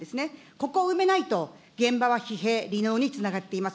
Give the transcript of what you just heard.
ここを埋めないと、現場は疲弊、離農につながっています。